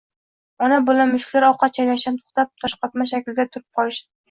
Ona-bola mushuklar ovqat chaynashdan to‘xtab, toshqotma shaklida turib qolishdi